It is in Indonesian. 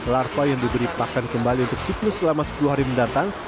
larva yang diberi pakan kembali untuk siklus selama sepuluh hari mendatang